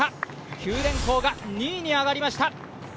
九電工が２位に上がりました。